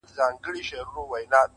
• چي تر سترګو یې توییږي لپي ویني -